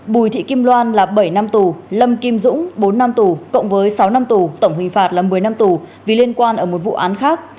bùi thị kim loan là bảy năm tù lâm kim dũng bốn năm tù cộng với sáu năm tù tổng hình phạt là một mươi năm tù vì liên quan ở một vụ án khác